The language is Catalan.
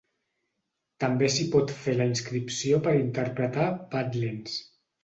També s’hi pot fer la inscripció per interpretar «Badlands».